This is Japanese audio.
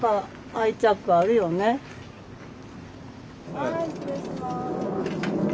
はい失礼します。